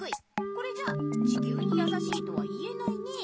これじゃ地きゅうにやさしいとは言えないね。